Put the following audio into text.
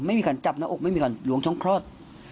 ไม่มีคนจับในอกไม่มีคนหลวงช้องคลอด